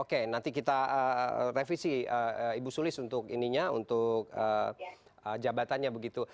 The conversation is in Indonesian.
oke oke nanti kita revisi ibu sulis untuk jabatannya begitu